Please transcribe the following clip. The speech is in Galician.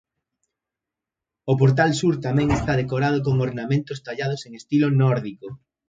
O portal sur tamén está decorado con ornamentos tallados en estilo nórdico.